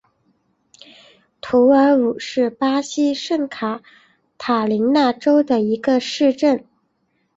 图尔武是巴西圣卡塔琳娜州的一个市镇。